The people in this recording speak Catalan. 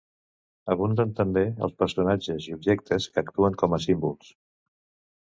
Abunden també els personatges i objectes que actuen com a símbols.